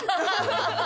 ハハハハハ！